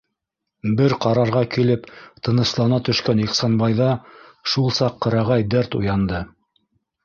Бер ҡарарға килеп тыныслана төшкән Ихсанбайҙа шул саҡ ҡырағай дәрт уянды.